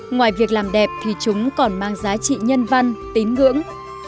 ngoài việc làm đẹp thì chúng còn mang giá trị nhân văn tín ngưỡng